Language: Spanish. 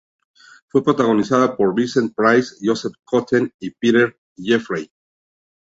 Fue protagonizada por Vincent Price, Joseph Cotten y Peter Jeffrey.